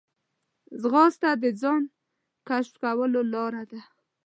ځغاسته د ځان کشف کولو لاره ده